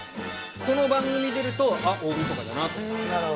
この番組出るとあ、大みそかだなと。